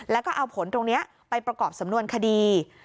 แล้วก็เอาผลตรงนี้ไปประกอบสำนวนคดี